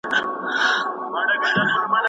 ښوونځی د ماشومانو علمي افق پراخوي.